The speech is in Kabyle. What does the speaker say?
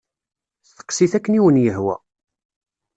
Steqsit akken i wen-yehwa.